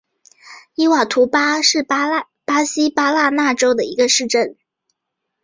伊瓦图巴是巴西巴拉那州的一个市镇。